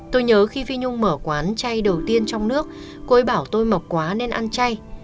tôi nhớ khi phí nhung mở quán chay đầu tiên trong nước cô ấy bảo tôi mập quá nên ăn chay